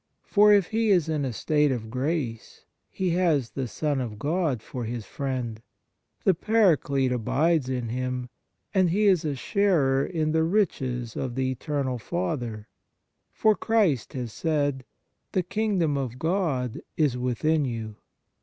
For if he is in a state of grace he has the Son of God for his friend, the Paraclete abides in him, and he is a sharer in the riches of the Eternal Father; for Christ has said: " The kingdom of God is within you."